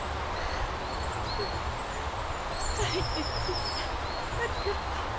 うぅ描いてくれてありがとう。